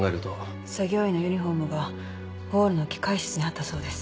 作業員のユニホームがホールの機械室にあったそうです。